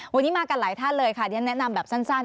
วันนี้มากันหลายท่านเลยค่ะเรียนแนะนำแบบสั้น